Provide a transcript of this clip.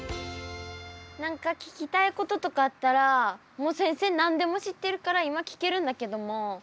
何か聞きたいこととかあったらもう先生何でも知ってるから今聞けるんだけども。